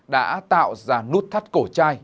đã tạo ra nút thắt cổ chai